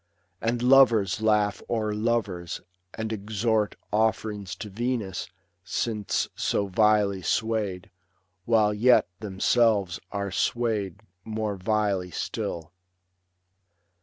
And lovers laugh o'er lovers, and exhort Offerings to Venus since so vilely swayed, While yet themselves are swayed more vilely still.